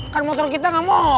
kan motor kita nggak mau